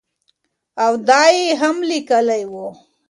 او دا ئې هم ليکلي وو